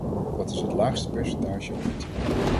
Dat is het laagste percentage ooit.